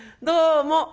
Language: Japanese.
どうも」。